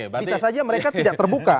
bisa saja mereka tidak terbuka